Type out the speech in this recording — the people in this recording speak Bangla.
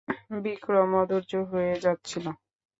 বিক্রম অধৈর্য হয়ে যাচ্ছিল।